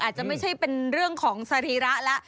อาจจะไม่ใช่เป็นเรื่องของสรีระแล้ว